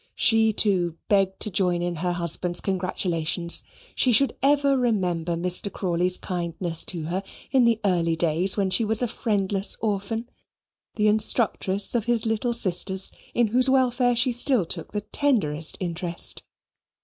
She, too, begged to join in her husband's congratulations. She should ever remember Mr. Crawley's kindness to her in early days when she was a friendless orphan, the instructress of his little sisters, in whose welfare she still took the tenderest interest.